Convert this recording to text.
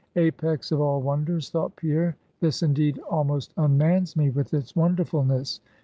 Apex of all wonders! thought Pierre; this indeed almost unmans me with its wonderfulness.